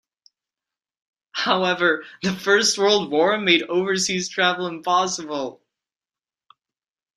However, the First World War made overseas travel impossible.